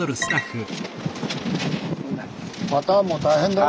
パターンも大変だな。